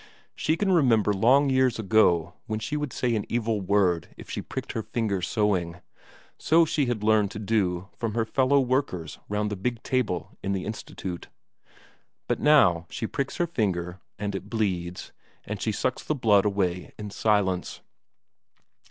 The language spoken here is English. She can remember long years ago when she would say an evil word if she pricked her finger sewing so she had learned to do from her fellow workers round the big table in the Institute. But now she pricks her finger, and it bleeds, and she sucks the blood away in silence.